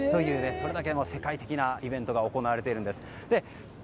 それだけの世界的なイベントが行われているんです。